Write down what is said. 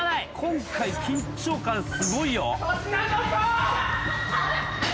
今回緊張感すごいよ。